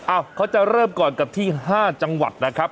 เขาจะเริ่มก่อนกับที่๕จังหวัดนะครับ